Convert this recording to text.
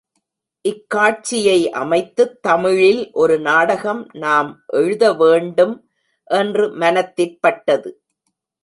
இக்காட்சியை அமைத்துத் தமிழில் ஒரு நாடகம் நாம் எழுதவேண்டும் என்று மனத்திற்பட்டது.